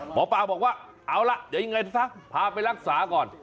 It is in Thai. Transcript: หมอปลาบอกว่าเอาล่ะเดี๋ยวยังไงซะพาไปรักษาก่อน